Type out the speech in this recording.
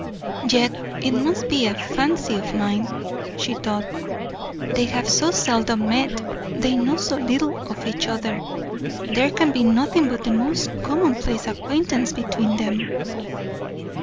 "Yet it must be a fancy of mine," she thought. "They have so seldom met, they know so little of each other, there can be nothing but the most commonplace acquaintance between them."